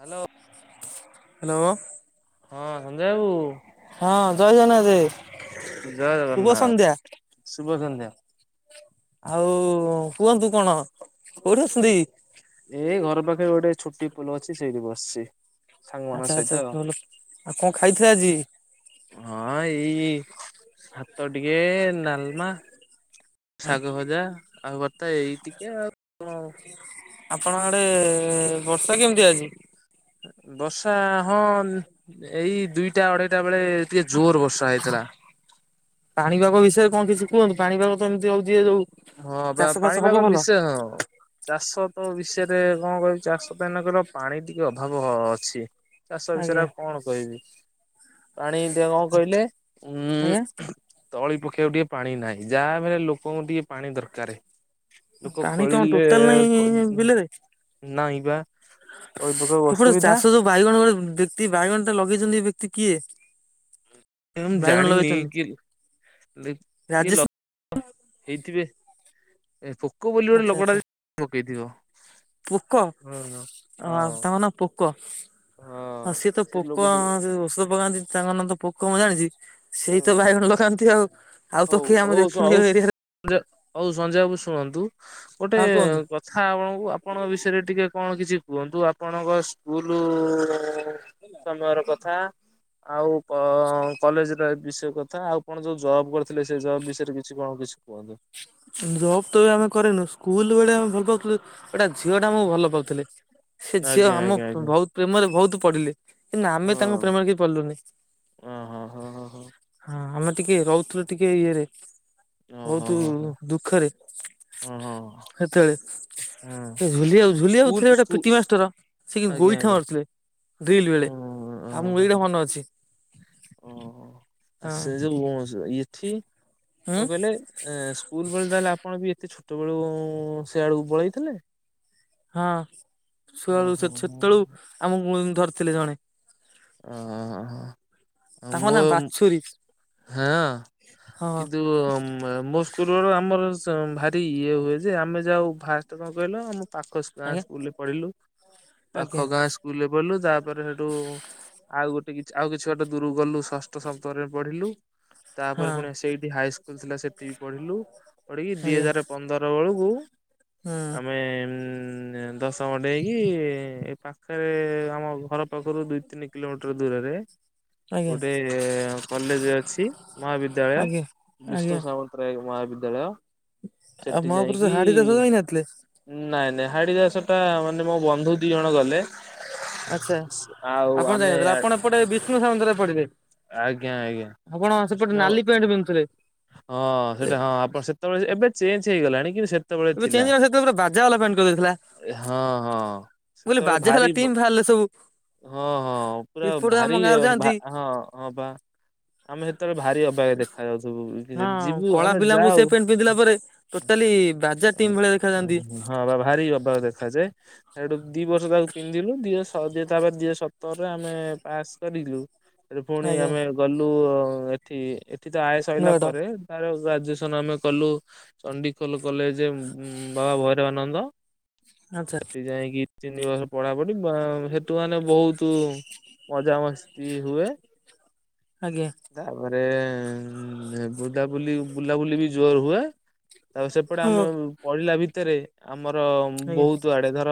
Hello. Hello ହଁ ସଞ୍ଜୟ ବାବୁ ହଁ ଜୟ ଜଗନ୍ନାଥେ। ଜୟ ଜଗନ୍ନାଥ ଶୁଭ ସନ୍ଧ୍ୟା। ଯଉ ଆଉ କୁହନ୍ତୁ କଣ କୋଉଠି ଅଛନ୍ତି? ଏଇ ଘର ପାଖରେ ଗୋଟେ ଛୋଟି ପୋଲ ଅଛି ସେଇଠି ବସଚି। ଆଚ୍ଛା ଆଚ୍ଛା ଭଲ। ଆଉ କଁ ଖାଇଥିଲେ ଆଜି? ହଁ ଏଇ ଭାତ ଟିକେ ନାଲମା ଶାଗ ଭଜା ଆଉ ବର୍ତ୍ତା ଏଇ ଟିକେ ଆଉ ଣ। ଆପଣଙ୍କ ଆଡ଼େ ବର୍ଷା କେମିତି ଆଜି? ବର୍ଷା ହଁ ଏଇ ଦୁଇଟା ଅଢ଼େଇଟା ବେଳେ ଟିକେ ଜୋର ବର୍ଷା ହେଇଥିଲା। ପାଣିପାଗ ବିଷୟରେ କଁ କିଛି କୁହନ୍ତୁ ପାଣିପାଗ ତ ଏମିତି ହଉଛି ଏ ଯଉ ହଁ ପା ପାଣିପାଗ ବିଷୟ ହଁ। ଚାଷ ତ ବିଷୟରେ କଁ କହିବି ଚାଷ ତ ଏଇନା କହିଲ ପାଣି ଟିକେ ଅଭାବ ଅଛି। ଚାଷ ବିଷୟରେ ଆଜ୍ଞା ଆଉ କଣ କହିବି ପାଣି ଟିକେ କଁ କହିଲେ ଆଜ୍ଞା ଉଁ ତଳି ପକେଇବାକୁ ଟିକେ ପାଣି ନାହିଁ ଯାହା ବି ହେଲେ ଲୋକଙ୍କୁ ଟିକେ ପାଣି ଦର୍ କାରେ ଲୋକ ପାଣି କଣ ଖୋଳିଲେ ଟୋଟାଲ ନାହିଁ କ ନାଇଁ ପା। କେବଳ ଚାଷ ଯୋଉ ବାଇଗଣ ଗୋରେ ବ୍ୟକ୍ତି ବାଇଗଣଟା ଲଗେଇଚନ୍ତି ଏ ବ୍ୟକ୍ତି କିଏ? ଏ ଉଁ ବାଇଗଣ ଜାଣିନି ଲଗେଇଛନ୍ତି କିଏ ଲି କିଏ ରାଜେଶ ଲ ହେଇଥିବେ ପୋକ ଏ ବୋଲି ଗୋଟେ ଆଚ୍ଛା ଆଚ୍ଛା ଲୋକଟା ଯେ ପକେଇଥିବ। ପୋକ ଅ ହଁ ଆ ହଁ ତାଙ୍କ ନାଁ ପୋକ? ହଁ ସିଏ ତ ସେ ପୋକ ଲୋକଟି ଯୋଉ ଔଷଧ ପକାନ୍ତି ତାଙ୍କ ନାଁ ତ ପୋକ ମୁଁ ଜାଣିଚି ହୁଁ ସେଇ ତ ବାଇଗଣ ଲଗାନ୍ତି ଆଉ। ଆଉ ତ ହଉ କିଏ ଆମେ ହଉ ସ ଦେଖିନୁ ଏ ହଉ ଏରିଆରେ ସଞ୍ଜ ହଉ ସଞ୍ଜୟ ବାବୁ ଶୁଣନ୍ତୁ ଗୋଟେ ହଁ କୁହନ୍ତୁ। କ ଥା ଆପଣଙ୍କୁ ଆପଣଙ୍କ ବିଷୟରେ ଟିକେ କଣ କିଛି କୁହନ୍ତୁ ଆପଣଙ୍କ ସ୍କୁଲ୍ ସମୟର କଥା ଆଉ କ କଲେଜ୍ ରେ ବିଷୟ କଥା ଆଉ କଣ ଯୋଉ ଜବ୍ କର୍ ଥିଲେ ସେ ଜବ୍ ବିଷୟରେ କିଛି କଣ କିଛି କୁହନ୍ତୁ। ଜବ୍ ତ ଏବେ ଆମେ କରିନୁ ସ୍କୁଲ୍ ବେଳେ ଆମେ ଭଲ ପାଉଥୁଲେ ଏଟା ଝିଅଟା ଆମୁ ଭଲ ପାଉଥୁଲେ। ସେ ଝିଅ ଆଜ୍ଞା ଆମ ଆଜ୍ଞା ଆଜ୍ଞା ଭଉ ପ୍ରେମରେ ଭଉତୁ ପଡ଼ିଲେ କିନ୍ତୁ ଆମେ ହଁ ତାଙ୍କ ପ୍ରେମରେ କେହି ପଡି଼ଲୁନେଇ। ଓହୋ ହୋ ହୋ ହୋ ହଁ ଆମେ ଟିକେ ରଉଥୁଲୁ ଟିକେ ଇଏରେ ଓହୋ ଭଉତୁ ହୋ ହୋ ଦୁଃଖରେ ଓ ହଁ ହେତେଳେ ହଁ ସେ ଝୁଲି ଆଉ ଝୁଲିଆ ସ୍କୁଲ ହଉଥୁଲେ ଗୋଟେ ସ୍କୁ ପିଟି ମାଷ୍ଟର୍ ସେ କି ଆଜ୍ଞା ଗୋଇଠା ଆଜ୍ଞା ମାରୁଥୁଲେ ଡ୍ରିଲ୍ ହଁ ବେଳେ। ଆଉ ମୁଁ ଏଇଟା ମନ ଅଛି। ଓ ଆ ହଁ ସେ ଯୋଉ ଏଠି? ଉଁ କଁ କହିଲେ ଏଁ ସ୍କୁଲ୍ ବେଳେ ତାହେଲେ ଆପଣ ବି ଏତେ ଛୋଟ ବେଳୁ ସେଆଡ଼ୁକୁ ପଳେଇଥିଲେ? ହଁ ଶୁଆଳୁ ଓହୋ ସେତେବେଳୁ ଆମକୁ ଧରିଥିଲେ ଜଣେ। ଓଁ ହ ହ। ତାଙ୍କ ନା ବାଛୁରୀ। ହଁ ହଁ କିନ୍ତୁ ମୋ ପୂର୍ବ ରୁ ଆମର ଭାରି ଇଏ ହୁଏ ଯେ ଆମେ ଯାଉ ଫାଷ୍ଟ କଣ କହିଲ ଆମ ପାଖ ଗାଁ ଆଜ୍ଞା ସ୍କୁଲ ପଢିଲୁ ଆଜ୍ଞା ପାଖ ଗାଁ ବୁଲ ପଡିଲୁ ତାପରେ ସେଠୁ ଆଉ ଗୋଟେ କି ଆଉ କିଛି ଗୋଟେ ଦୂରକୁ ଗଲୁ। ଷଷ୍ଠ ଶବ୍ଦରେ ପଢିଲୁ ତାପରେ ହଁ ପୁଣି ସେଇଠି ହାଇସ୍କୁଲ ଥିଲା ସେଠି ବି ପଢିଲୁ ଉଡିକି ଦି ଆଜ୍ଞା ହଜାର ପନ୍ଦର ବେଳକୁ ହୁଁ ଆମେ ଉ ଦଶ ବଡେଇକି ଏ ପାଖରେ ଆମ ଘର ପାଖରୁ ଦୁଇ ତିନି କିଲୋମିଟର ଦୂରରେ। ଆଜ୍ଞା ଗୋଟେ କଲେଜ ଅ ମହାବିଦ୍ୟାଳୟ ଆଜ୍ଞା ବିଷ୍ଣୁ ଆଜ୍ଞା ସାମନ୍ତରାୟ ମହାବଦ୍ୟାଳୟ। ସେଠି ଯାଇକି ଯାତଥିଲେ। ନାଇଁ ନାଇଁ ହାଡି ଦାସ ଟା ମାନେ ମୋ ବନ୍ଧୁ ଦି ଜଣ ଗଲେ। ଆଚ୍ଛା ଆଉ ଆପଣ ଆମେ ଜାଇନଥିଲେ ଆପଣ ଏପଟେ ବିଷ୍ଣୁ ସମନ୍ତରାୟ ରେ ପଡିବେ। ଆଜ୍ଞା ଆଜ୍ଞା ବିଷ୍ଣ ପ୍ୟାଣ୍ଟ ପିନ୍ଧୁଥିଲେ। ହଁ ସେଟା ହଁ ଆପଣ ସେ ତ ଏବେ ଚେଞ୍ ହେଇଗଲାଣି କିନ୍ତୁ ସେତେବେଳେ ଏବେ ଥିଲା ଚଞ ସେୁର ବାଜ ବାଲା ପ୍ୟାଣ୍ଟ କରିଦେଇଥିଲା। ମୁଁ ହଁ ହଁ କହିଲି ସେତେବେଳେ ବାଜା ବାଲା ଭାରି ଟିମ୍ ବାହାରିଲେ ସବୁ ହଁ ହଁ ପୁରା ଏପଟେ ଆମ ଭାରି ଗାଁରୁ ଯାଆନ୍ତି ହଁ ହଁ ବା। ଆମେ ସେତେବେଳେ ଭାରି ଅବାଗିଆ ଦେଖା ଯାଉଥିବୁ କି ହଁ ଯିବୁ କଳା ଆମେ ପିଲାଙ୍କୁ ସେ ଯାଉ ପେଣ୍ଟ ପିନ୍ଧିଲା ପରେ ଟୋଟାଲି ବାଜା ଟିମ୍ ଭଳିଆ ଦେଖ ଓ ହଁ ବା ଭାରି ଅବାଗ ଦେଖାଯାଏ। ସେଇଠୁ ଦି ବର୍ଷ ତାକୁ ପିନ୍ଧଲୁ ଦି ବର୍ଷ ହଉ ଦି ତାପରେ ଦି ହଜାର ସତରରେ ଆମେ ପାସ୍ କରିଲୁ। ସେଠି ପୁଣି ଆଜ୍ଞା ଆମେ ଗଲୁ ଏଠି ଏଠି ତ ଆୟ ସରିଲା ନୁଆଟ ପରେ ସାର ଗ୍ରାଜୁଏସନ ଆମେ କଲୁ ଚଣ୍ଡିଖୋଲ କଲେଜ ବାବା ଭୈରବାନନ୍ଦ। ଆଚ୍ଛା ସେଠି ଯାଇକି ତିନି ବର୍ଷ ପଢା ପଢି ସେଠୁ ମାନେ ବହୁତ ମଜା ମସ୍ତି ହୁଏ। ଆଜ୍ଞା, ତାପରେ ବୁଦ ବୁଲି ବୁଲାବୁଲି ବି ଜୋର ହୁଏ। ତା ସେପଟେ ଆମେ ହଁ। ପଢିଲା ଭିତରେ ଆମର ଆଜ୍ଞା ବହୁତ ଆଡେ ଧର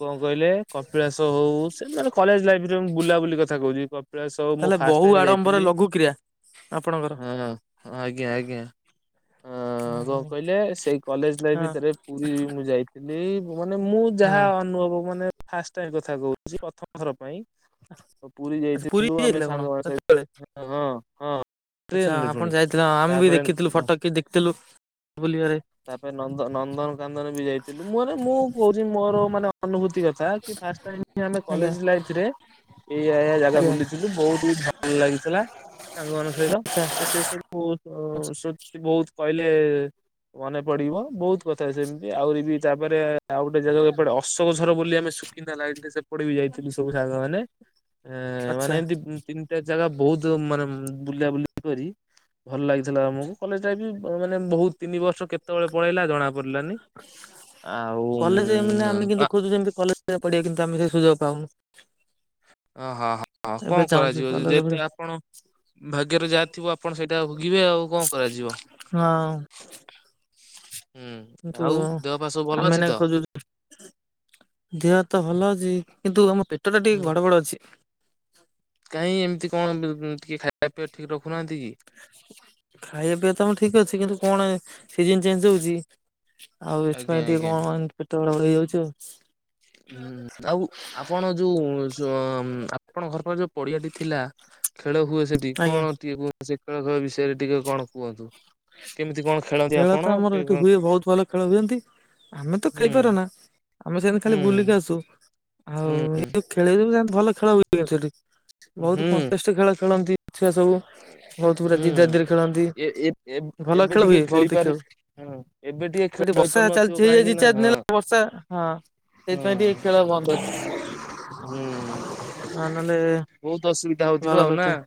କଣ କହିଲେ କପିଳାସ ହଉ ସେ ମାନେ କଲେଜ ଲାଇଫରେ ମୁ ବୁଲାବୁଲି କଥା କହୁଛି। କପିଳାସ ମୁଁ ତାହେଲେ ଫାଷ୍ଟ ବହୁ ଟାଇମ ଆଡମ୍ବର ଯାଇଥିଲି ଲଘୁ କ୍ରିୟା ଆପଣଙ୍କର। ହଁ। ଆଜ୍ଞା ଆଜ୍ଞା ହୁଁ କଣ ହୁଁ କହିଲେ ସେଇ କଲେଜ ଲାଇଫ ହଁ ଭିତରେ- ପୁରୀ ମୁଁ ଯାଇଥିଲି ମାନେ ମୁଁ ଯାହା ହୁଁ ଅନୁଭବ ମାନେ ଫା ଟ କଥା କହୁଛି। ର ପାଇଁ ପୁରୀ ଆଚ୍ଛା ଯାଇଥିଲୁ ଆମେ ଯାଇଥିଲେ ଆପଣ ସାଙ୍ଗମାନେ ସେତେବେଳେ? ସ ହଁ ହଁ। ଆଚ୍ଛା ଟ୍ରେନରେ ପୁଣି। ଆପଣ ଯାଇଥିଲେ ଆମେ ବି ତାପରେ ଦେଖିଥିଲୁ ଫଟୋ କି ଦେଖିଥିଲୁ ବୁଲିବରେ। ତାପରେ ନନ୍ଦନ ନନ୍ଦନକନ୍ଦନ ବି ଯାଇଥିଲୁ ମୁଁ ମାନେ ମୁଁ କହୁଛି ମୋର ମାନେ ଅନୁଭୂତି କଥା, କି ଫାଷ୍ଟ୍ ଟାଇମ୍ ଆମେ ଆଜ୍ଞା। କଲେଜ ଲାଇଫ୍ ରେ। ଏଇଆ ଏଇଆ ଜାଗା ଆଜ୍ଞା ବୁଲିଥିଲୁ, ବହୁତ ବି ଭଲ ଲାଗିଥିଲା ସାଙ୍ଗମାନଙ୍କ ସହିତ। ଆଚ୍ଛା ମତେ ସେ ସବୁ ବହୁତ୍ ଅ ସୁଟି ବହୁତ କହିଲେ। ମନେ ପଡିବ ବହୁତ କଥା ସେମିତି। ଆହୁରି ବି ତାପରେ ଆଉ ଗୋଟେ ଜାଗା ଏପଡ ଅଶୋକଝର ବୋଲି ଆମେ ସୁକିନ୍ଦା ଲାଇନ୍ ରେ ସେପ ପଟେ ବି ଯାଇଥିଲୁ ସବୁ ସାଙ୍ଗ ମାନେ ଏ ମାନେ ଆଚ୍ଛା ଏମତି ତିନିଟା ଜାଗା ବହୁତ ମାନେ ବୁଲା ବୁଲି କରି ଭଲ ଲାଗିଥିଲା ଆମକୁ। କଲେଜ ଟାଇମ୍ ମାନେ ବହୁତ ତିନି ବର୍ଷ କେତେବେଳେ ପଳେଇଲା ଜଣା ପଡିଲାନି। ଆଉ ତୁ ଯେମିତି କଲେ ଜ୍ ପଢ଼ିବାକୁ କିନ୍ତୁ ଆମେ ସେ ସୁଯୋଗ ପାଉନୁ। ଅ ହଁ ହ ହ କଣ ଏବେ ଚାହୁଁଛୁ କରାଯିବ ଯଦି କଲେଜ ଯେହେତୁ ପଢିବା ଆପଣ ଭାଗ୍ୟରେ ଯାହା ଥିବ ଆପଣ ସେଇଟା ଭୋଗିବେ ଆଉ କଣ କରାଯିବ। ହଁ। ହୁଁ କିନ୍ତୁ ଆଉ ଦେହ ପା ସବୁ ଭଲ ଆମେ ଅଛି ଏନା ତ? ଖୋଜୁଛୁ ଦେହ ତ ଭଲ ଅଛି। କିନ୍ତୁ ଆମ ପେଟ ଟା ହୁଁ ଟିକେ ଗଡବଡ ଅଛି। କାହିଁ ଏମିତି କଣ ଟିକେ ଖାଇବା ପିଇବା ଠିକ୍ ରଖୁନାହାନ୍ତି କି? ଖାଇବା ପିଇବା ତ ମୁଁ ଠିକ୍ ଅଛି କିନ୍ତୁ କଣ ସିଜିନ୍ ଚେଞ୍ଜ ହଉଛି। ଆଉ ଆଜ୍ଞା ଏଥିପାଇଁ ଟିକେ ଆଜ୍ଞା କଣ ପେଟ ଗଡ଼ ବଡ ହେଇ ଯାଉଛି ଆଉ। ହୁଁ ଆଉ ଆପଣ ଯୋଉ ସ ଆପଣ ଘର ପାଖରେ ଯୋଉ ପଡିଆଟି ଥିଲା ଖେଳ ହୁଏ ସେଠି। ଆଜ୍ଞା କଣ ଟିକେ କୁହନ୍ତୁ ସେ ଖେଳ ଖେଳ ବିଷୟରେ ଟିକେ କଣ କୁହନ୍ତୁ? କେମିତି କଣ ଖେଳନ୍ତି ଖେଳ ଆପଣ? ତ ଆମର କେ ଏଠି ହୁଁ ହୁଏ, ବୋହୁତ୍ ଭଲ ଖେଳ ହୁଏନ୍ତି, ଆମେ ତ ଖେଳି ହୁଁ ପାରୁନା ଆମେ ସେମିତି ଖାଲି ବୁଲିକି ହୁଁ ଆସୁ, ଆଉ ଏ ଯଉ ଖେଳ ଭଲ ଖେଳ ହୁଏ ସେଠି। ବୋହୁତ୍ ହୁଁ କଣ୍ଟେଷ୍ଟ ଖେଳ ଖେଳନ୍ତି ଛୁଆ ସବୁ। ବୋହୁତ୍ ପୁରା ଯିଦା ହୁଁ ଯିଦିରେ ଖେଳନ୍ତି। ଏ ଏ ଏ ଭଲ ଏବେ ଖେଳ ହୁଏ ଟିକେ ଖେଳି ବୋହୁତ୍ ପାରୁ ଖେଳୁ, ହଁ ଏବେ ଟିକେ ଖେଳ ଏଠି ବର୍ଷା ହେଇପାରୁନଥିବ ଚାଲିଛି ହେଇଯାଇ କାହିଁକି ଦି ନା ଚାରି ହଁ ଦିନ ହେଲା ବର୍ଷା ହଁ ହଁ ସେଇଥିପାଇଁ ଟିକେ ଖେଳ ବନ୍ଦ ଅଛି। ହୁଁ ହଁ ନହେଲେ ବୋହୁତ୍ ଅସୁବିଧା ଭଲ ହଉଥିବ ଆଉ ସବୁ ନା? ଥିଲା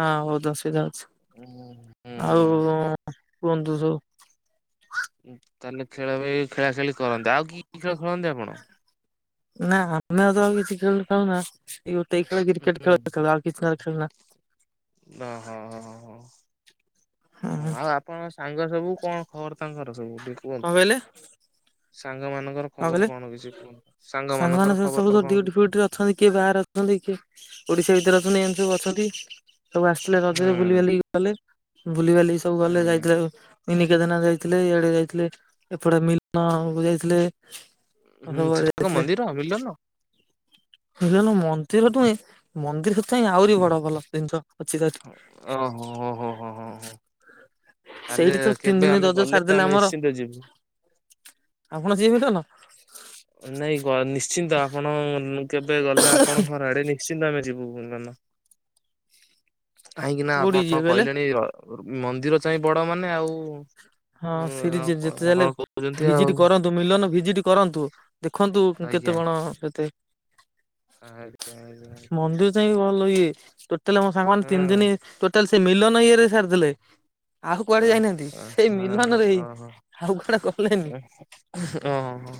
ହଁ ବହୁତ୍ ଅସୁବିଧା ହଉଚି। ହୁଁ। ଆଉ ହୁଁ। କୁହନ୍ତୁ ସବୁ? ତାହେଲେ ଖେଳ ବି ଖେଳା ଖେଳି କରନ୍ତି। ଆଉ କି କି ଖେଳ ଖେଳନ୍ତି ଆପଣ? ନା ଆମେ ଆଉ ଜମା କିଛି ଖେଳ ଖେଳୁନା। ଏଇ ଗୋଟେ ଖେଳ କ୍ରିକେଟ ହୁଁ ଖେଳ ଖେଳୁ ଆଉ କିଛି ଖେଳ ଖେଳୁନା। ନା, ହଁ ହଁ ହଁ ହଁ। ହୁଁ ଆଉ ଆପଣଙ୍କ ସାଙ୍ଗ ସବୁ, କଣ ଖବର ତାଙ୍କର ସବୁ ଟିକେ କଣ କୁହନ୍ତୁ? କହିଲେ ସାଙ୍ଗ ମାନଙ୍କର ଖବର କଣ କିଛି କୁହନ୍ତୁ? ସାଙ୍ଗ ସାଙ୍ଗମାନେ ମାନଙ୍କର ସବୁ ସବୁ ସବୁ ଖବର କଣ ଡ୍ୟୁଟି କିଛି? ଫ୍ୟୁଟିରେ ଅଛନ୍ତି କିଏ ବାହାରେ ଅଛନ୍ତି, କିଏ ଓଡିଶା ଭିତରେ ଅଛନ୍ତି ଏମତି ସବୁ ଅଛନ୍ତି। ସବୁ ଆସି ଥିଲେ ରଜରେ ବୁଲି ହୁଁ ବାଲିକି ଗଲେ। ବୁଲିିବାଲିକି ସବୁ ଗଲେ। ଉଁ, ଯାଇଥିଲେ ମିନି କେଦାରନାଥ ଯାଇଥିଲେ ଇଆଡେ ଯାଇଥିଲେ। ଏପଟେ ମିଲ୍ ନ କୁ ଯାଇଥିଲେ। ହୁଁ ସବୁଆଡେ ସେଟା କଣ ଯାଇଥିଲେ ମନ୍ଦିର ମିଲନ? ମିଲନ ମନ୍ଦିର ନୁହଁ। ମନ୍ଦିର ଚାଇଁ ଆହୁରି ବଡ ଭଲ ଜିନିଷ ଅଛି ତାଠି। ଓହୋ। ହୋ ହୋ ହୋ ହୋ ତାହେଲେ ସେଇଠି ତ ତିନି କେବେ ଦିନ୍ ଆମେ ରଜ ଗଲେ ସାରିଦେଲେ ଆମେ ଆମର। ନିଶ୍ଚିନ୍ତ ଯିବୁ। ଆପଣ ଯିିବେ ମିଲନ? ନାଇଁ ଗ ନିଶ୍ଚିନ୍ତ, ଆପଣ କେବେ ଗଲେ ଆପଣଙ୍କ ଘର ଆଡେ ନିଶ୍ଚିନ୍ତ ଆମେ ଯିବୁ ମିଲନ। କାହିଁକି ନା କୋଉଠିକି ଆପଣ ଯିବେ କହିଲେ? କହିଲେଣି ର ମନ୍ଦିର ଚାହିଁ ବଡ ମାନେ ଆଉ ହଁ ହୁଁ ସେଠି ଆଉ କ- ଯେତେ ଯାହାଲେ ଆପଣ କହୁଛନ୍ତି ଆଉ ଭିଜିଟ୍ କରନ୍ତୁ। ମିଲନ ଭିଜିଟ୍ କରନ୍ତୁ। ଦେଖନ୍ତୁ ଆଜ୍ଞା। କେତେ କଣ କେତେ ଆଜ୍ଞା ଆଜ୍ଞା ଆଜ୍ଞା। ମନ୍ଦିର ଚାଇଁ ବି ଭଲ ଇଏ, ଟୋଟାଲି ମୋ ସାଙ୍ଗମାନେ ତିନି ହଁ। ଦିନି ଟୋଟାଲ ସେ ମିଲନ ଇଏରେ ସାରିଦଲେ। ଓ ଓ ହ ହିଁ ଓ ହୋ ଆଉ କୁଆଡେ ଗଲେନି। ଓ ହ ହ। ହୁଁ ଓହୋ।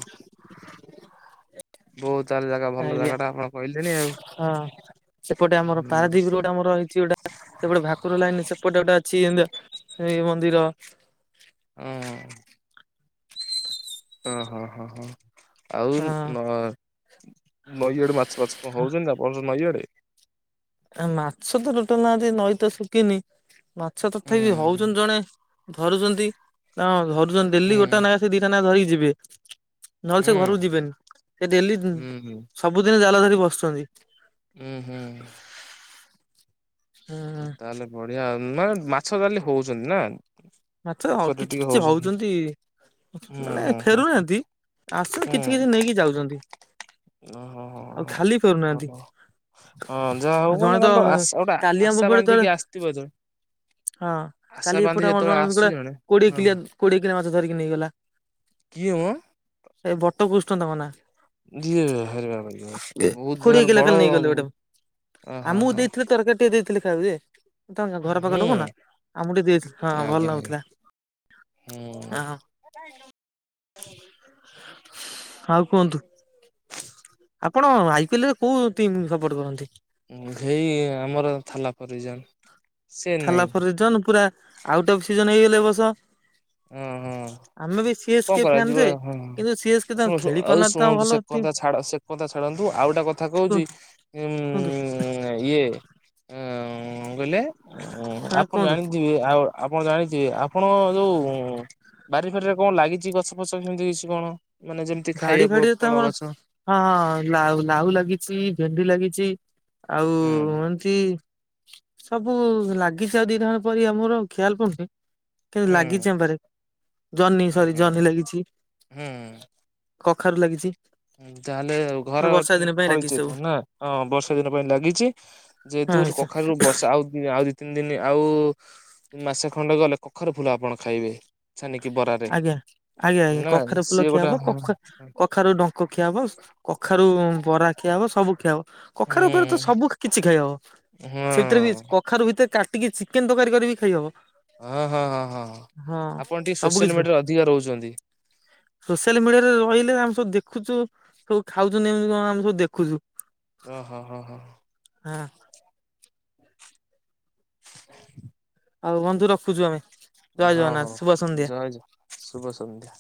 ବୋହୁତ୍ ଆଲେ ଜାଗା ଭଲ ଆଜ୍ଞା ଜାଗା ଟା ଆପଣ କହିଲେଣି ଆଉ। ହଁ ସେପଟେ ଆମର ହୁଁ ପାରାଦୀପ୍ ରୋଡ୍ ଆମର ହେଇଚି ଗୋଟା ସେପଟେ ଭାକୁର ଲାଇନ୍ ସେପଟେ ଗୋଟେ ଅଛି ଏମିତି ଏଇ ମନ୍ଦିର। ହୁଁ। ଓ ହୋ ହୋ ହୋ। ଆଉ ଅ ନଈ ଆଡେ ମାଛ ଫାଛ କଣ ହଉଛନ୍ତିନା ଆପଣଙ୍କ ନଈ ଆଡେ? ନା ମାଛତ ରୋଟାଲ୍ ନାହାନ୍ତି, ନଈ ତ ଶୁଖିନି। ମାଛ ତଥାପି ହୁଁ ହଉଛନ୍ତି ଜଣେ ଧରୁଛନ୍ତି ତାଙ୍କ ଧରୁଛନ୍ତି ଡେଲି ହୁଁ ଗୋଟା ନଖା ସେ ଦିଟା ନଖା ଧରିକି ଯିବେ। ନହେଲେ ସେ ହୁଁ ଘରକୁ ଯିବେନି। ସେ ଡେଲି ହୁଁ ହୁଁ। ସବୁଦିନ ଜାଲ ଧରି ବସୁଛନ୍ତି। ହୁଁ ହୁଁ। [inaudible] ହୁଁ ତାହେଲେ ବଢିଆ ଆଉ ମାନେ ମାଛ ତାହାଲେ ହଉଛନ୍ତି ନା। ମାଛ ପୋଖରୀରେ କିଛି ଟିକେ କିଛି ହଉଛନ୍ତି। ହୁଁ ମାନେ ହୁଁ ହୁଁ ଫେରୁନାହାନ୍ତି ଆସୁଛନ୍ତି କିଛି କିଛି ନେଇକି ଯାଉଛନ୍ତି। ଓ ହ ହ ଆଉ ହ ଖାଲି ଫେରୁନାହାନ୍ତି ଭଲ। ହଁ ଯାହା ହଉ ଆଉ ଜଣେ ମାନେ ତ ତାଙ୍କ ଗୋଟେ କାଲି ଆମ ଆଶା ପଟେ ତଳେ ବାନ୍ଧିକି ଆସିଥିବ ଜଣେ ହଁ କାଲି ଏପଟେ ଆମର ଆସୁଛି ଜଣେ କୋଡିଏ ହଁ କିଲିଆ କୋଡିଏ କିଲୋ ମାଛ ଧରିକି ନେଇଗଲା। କିଏ ମ? ସେଇ ବଟକୃଷ୍ଣ ତାଙ୍କ ନା। ଯିଏ ବାହାରେ ବାବାରେ ବାବା ବହୁତ କୋଡିଏ ତାହାଲେ କିଲୋ କାଲି ବଡ ନେଇଗଲେ ଗୋଟେ ଆହା ହା। ଟେ ଦେଇଥିଲି ଖାଇଆକୁ ଯେ ତାଙ୍କ ଘର ପାଖ ହୁଁ ଲୋକନା ଆମୁକୁ ଟିକେ ଦେଇଥିଲି ହଁ ଭଲ ଆଜ୍ଞା ଆଜ୍ଞା ନାଗୁଥିଲା। ହୁଁ ଆଉ କୁହନ୍ତୁ। ଆପଣ ଆଇ ପି ଏଲ ରେ କୋଉ ଟିମ୍ ସପୋର୍ଟ କରନ୍ତି? ହେଇ ଆମର ଥାଲା ପରିଜନ। ଥାଲା ଫରିଜନ ପୁରା ଆଉଟ୍ ଅଫ୍ ସିଜନ ହେଇଗଲେ ଏବର୍ଷ। ହୁଁ ହୁଁ କଣ ଫ୍ୟାନ୍ କରାଯିବ ଯେ ହଁ କିନ୍ତୁ ସି ଏସ୍ କେ ତ ଶ ଖେଳି ଆଉ ପାରୁନାହାନ୍ତି ତ ଶୁଣନ୍ତୁ ଭଲ ସେ ଟିମ୍ କଥା ଛାଡ ସେ କଥା ଛାଡ଼ନ୍ତୁ ଆଉ ଗୋଟେ କଥା କହୁଛି କୁହନ୍ତୁ ଉଁ କୁହନ୍ତୁ ଇଏ ଆ ଆ କଣ କହିଲେ ହଁ ଆପଣ କୁହନ୍ତୁ ଜାଣିଥିବେ ଆଉ ଆପଣ ଜାଣିଥିବେ ଆପଣ ଯୋଉ ବାରି ଫାରିରେ କଣ ଲାଗିଛି ଗଛ ଫଛ କେମିତି କିଛି କଣ? ମାନେ ଯେମିତି ବାଡି ଖାଇବା ପ ଫାଡିରେ ତ ଆମର ଫଳଗଛ। ହଁ ହଁ ଲା ଲାଉ ଲାଗିଛି ଭେଣ୍ଡି ଲାଗିଛି ଆଉ। ହୁଁ ସବୁ ଲାଗିଛି ଆଉ ଦିଟା କଣ ପରିବା ମୋର ଆଉ ଖିଆଲ ପଡୁନି। କିନ୍ତୁ ହୁଁ ଲାଗିଛି ଆମ ବାରିରେ ଜହ୍ନି ହୁଁ ସରି ଜହ୍ନି ଲାଗିଛି। ହୁଁ କଖାରୁ ଲାଗିଛି। ତାହେଲେ ଆଉ ଘର ବର୍ଷା ଦିନ ପାଇଁ ଲାଗିଛି ଫଳିଚ ସବୁ ତ ନା ହଁ ବର୍ଷା ଦିନ ପାଇଁ ଲାଗିଛି। ଯେହେତୁ ହଁ ସାର୍ କଖାରୁ ବର୍ଷା ଆଉ ଆଉ। ତିନି ଦିନ ଆଉ ମାସେ ଖଣ୍ଡେ ଗଲେ କଖାରୁ ଫୁଲ ଆପଣ ଖାଇବେ। ଛାନିକି ବରାରେ ଆଜ୍ଞା ଆଜ୍ଞା ଆଜ୍ଞା ନା କଖାରେ ଫୁଲ ସିଏ ଖିଆ ଗୋଟେ ହବ କ ହଁ କଖାରୁ ଡଙ୍କ ଖିଆ ହବ କଖାରୁ ବରା ଖିଆ ହବ ସବୁ ଖିଆ ହବ। ହୁଁ କଖାରୁ ଉପରେ ତ ସବୁ କିଛି ଖାଇହବ ହଁ ସେଥିରେ ବି ଆଖାରୁ ଭିତରେ କାଟିକି ଚିକେନ ତରକାରୀ କରିକି ବି ଖାଇହବ। ହଁ ହଁ ହଁ ହଁ ଆପଣ ଟିକେ ସବୁ କିଛି ସୋସିଆଲ ଖାଇବ। ମିଡିଆରେ ଅଧିକ ରହୁଛନ୍ତି। ସୋସିଆଲ ମିଡିଆରେ ରହିଲେ ଆମେ ସବୁ ଦେଖୁଛୁ। ସବୁ ଖାଉୁଚନ୍ତି କେମିତି କଣ ଆମେ ସବୁ ଦେଖୁଛୁ। ଓହୋ ହୋ ହୋ। ନା ଆଉ ବନ୍ଧୁ ରଖୁଛୁ ଆମେ। ଜୟ ହଁ ଜଗନ୍ନାଥ ହଉ ଶୁଭ ସନ୍ଧ୍ୟା। ଜୟ ଜଗ ଶୁଭ ସନ୍ଧ୍ୟା।